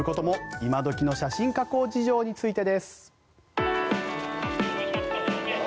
今時の写真加工事情についてです。